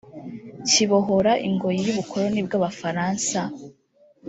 kibohora ingoyi y’ubukoloni bw’Abafaransa